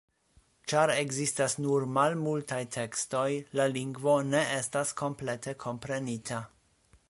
Ĉar ekzistas nur malmultaj tekstoj, la lingvo ne estas komplete komprenita.